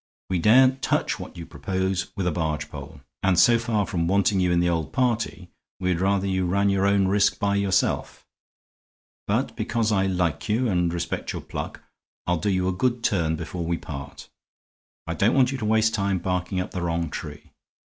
We daren't touch what you propose with a barge pole; and so far from wanting you in the old party, we'd rather you ran your own risk by yourself. But because I like you and respect your pluck, I'll do you a good turn before we part. I don't want you to waste time barking up the wrong tree.